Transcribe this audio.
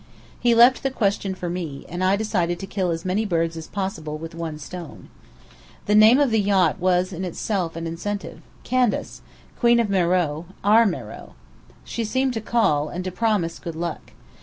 He left the question for me, and I decided to kill as many birds as possible with one stone. The name of the yacht was in itself an incentive: Candace Queen of Meröe our Meröe. She seemed to call, and to promise good luck.